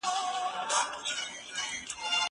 زه سبا ته فکر نه کوم.